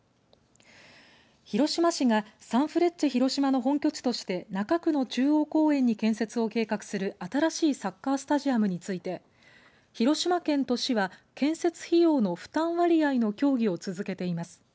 広島市がサンフレッチェ広島の本拠地として中区の中央公園に建設を計画する新しいサッカースタジアムについて広島県と市は建設費用の負担割合の協議を続けています。